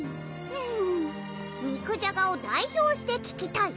肉じゃがを代表して聞きたい！